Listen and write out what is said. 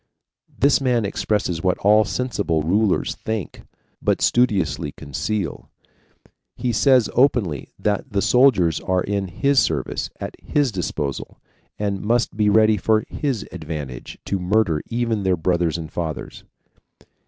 This man expresses what all sensible rulers think, but studiously conceal. He says openly that the soldiers are in HIS service, at HIS disposal, and must be ready for HIS advantage to murder even their brothers and fathers.